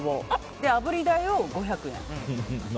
で、あぶり代を５００円で。